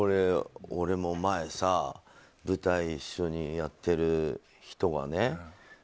俺も、前さ舞台一緒にやっている人がね